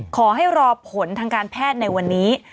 ขอให้รอผลทางการแพทย์ในวันนี้